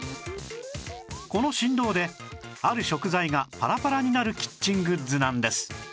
この振動である食材がパラパラになるキッチングッズなんです